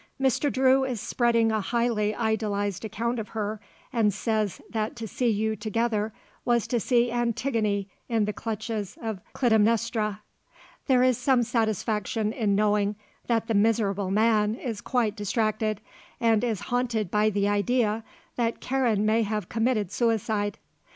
Mr. Drew is spreading a highly idealised account of her and says that to see you together was to see Antigone in the clutches of Clytemnestra. There is some satisfaction in knowing that the miserable man is quite distracted and is haunted by the idea that Karen may have committed suicide.